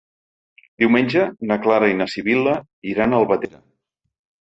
Diumenge na Clara i na Sibil·la iran a Albatera.